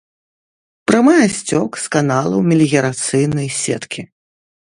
Прымае сцёк з каналаў меліярацыйнай сеткі.